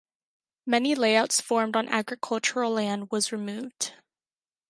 Many layouts formed on Agricultural land was removed.